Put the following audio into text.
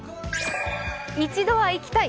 「一度は行きたい！